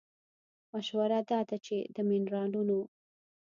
مشوره دا ده چې د مېنرالونو